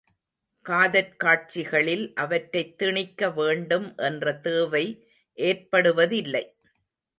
காதற் காட்சிகளில் அவற்றைத் திணிக்க வேண்டும் என்ற தேவை ஏற்படுவதில்லை.